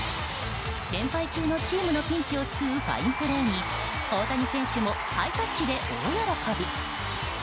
連敗中のチームのピンチを救うファインプレーに大谷選手もハイタッチで大喜び。